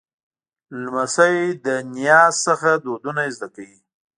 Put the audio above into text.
لمسی له نیا نه دودونه زده کوي.